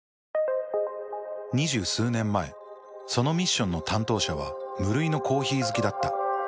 ２０数年前そのミッションの担当者は無類のコーヒー好きだった。